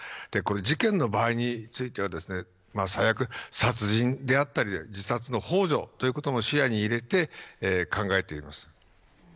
事件の場合については最悪、殺人だったり自殺のほう助ということも視野に入れて考えています。